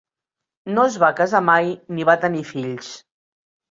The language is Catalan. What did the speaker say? No es va casar mai ni va tenir fills.